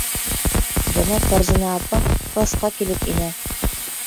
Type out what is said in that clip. Бына Фәрзәнә апа класҡа килеп инә.